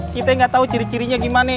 kita gak tau ciri cirinya gimana